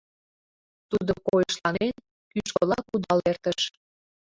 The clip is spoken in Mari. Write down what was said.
Тудо, койышланен, кӱшкыла кудал эртыш.